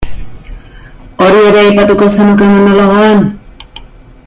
Hori ere aipatuko zenuke monologoan?